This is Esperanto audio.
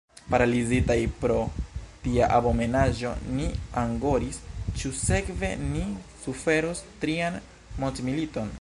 Paralizitaj pro tia abomenaĵo ni angoris: ĉu sekve ni suferos trian mondmiliton?